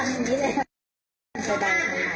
เอาทีล่ะจ๊ะ